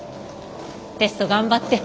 テスト頑張って。